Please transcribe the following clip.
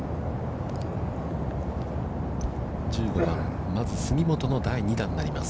１５番、まず杉本の第２打になります。